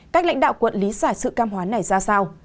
các lãnh đạo quận lý giải sự cam hoán này ra sao